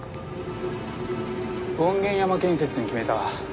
権現山建設に決めた。